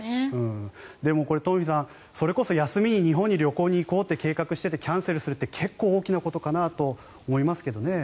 でも、東輝さんそれこそ休みに日本に旅行に行こうと計画していてキャンセルするって結構大きなことかなと思いますけどね。